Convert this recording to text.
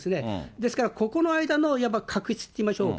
ですからここの間の、やっぱり確執っていいましょうか。